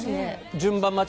順番待ち？